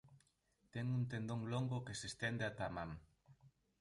Ten un tendón longo que se estende ata a man.